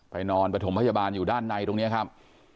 นอนปฐมพยาบาลอยู่ด้านในตรงนี้ครับ